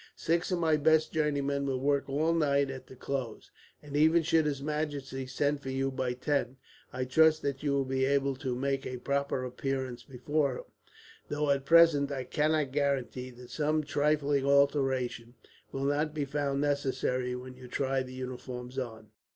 Six of my best journeymen will work all night at the clothes; and even should his majesty send for you by ten, I trust that you will be able to make a proper appearance before him, though at present I cannot guarantee that some trifling alteration will not be found necessary, when you try the uniforms on."